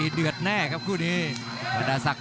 รับทราบบรรดาศักดิ์